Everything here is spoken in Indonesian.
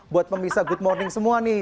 buat pemirsa good morning semua nih